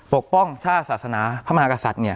ปกป้องชาติศาสนาพระมหากษัตริย์เนี่ย